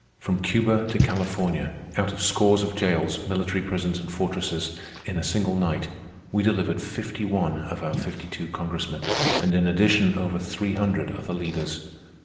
From Cuba to California, out of scores of jails, military prisons, and fortresses, in a single night, we delivered fifty one of our fifty two Congressmen, and in addition over three hundred other leaders.